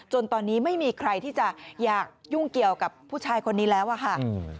ตอนนี้ไม่มีใครที่จะอยากยุ่งเกี่ยวกับผู้ชายคนนี้แล้วอะค่ะ